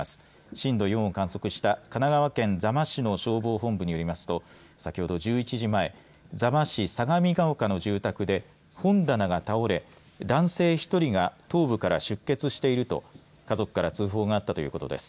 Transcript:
震度４を観測した神奈川県座間市の消防本部によりますと先ほど１１時前座間市相模が丘の住宅で本棚が倒れ男性１人が頭部から出血していると家族から通報があったということです。